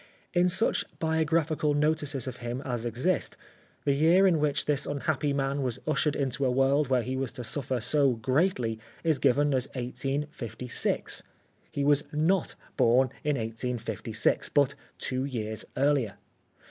In such biographical notices of him as exist, the year in which this unhappy man was ushered into a world where he was to suffer so greatly is given as 1856. He was not born in 1856, but two years earher.